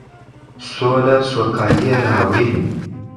سوله سوکالي راوړي.